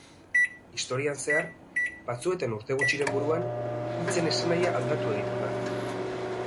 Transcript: Historian zehar, batzuetan urte gutxiren buruan, hitzen esanahia aldatu egiten da.